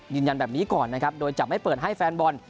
ยืนยันแบบนี้ก่อนนะครับโดยจะไม่เปิดให้แฟนบอล